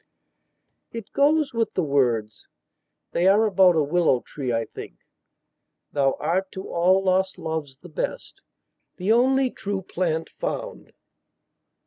It goes with the wordsthey are about a willow tree, I think: Thou art to all lost loves the best The only true plant found.